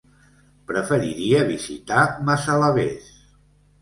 Preferiria visitar Massalavés.